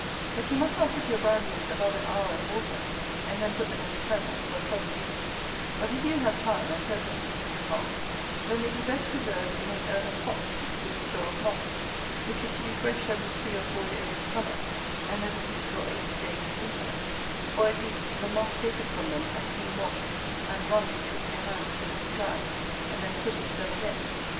But you must not put your brandlings above an hour in water, and then put them into fennel, for sudden use: but if you have time, and purpose to keep them long, then they be best preserved in an earthen pot, with good store of moss, which is to be fresh every three or four days in summer, and every week or eight days in winter; or, at least, the moss taken from them, and clean washed, and wrung betwixt your hands till it be dry, and then put it to them again.